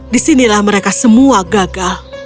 di sinilah mereka semua gagal